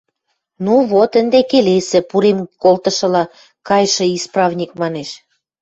– Ну, вот, ӹнде келесӹ, – пурем колтышыла кайшы исправник манеш.